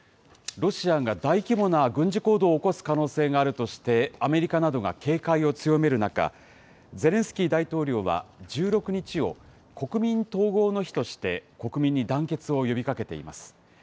ロシアが大規模な軍事行動を起こす可能性があるとして、アメリカなどが警戒を強める中、ゼレンスキー大統領は１６日を国民統合の日として国民に団結を呼びかけています。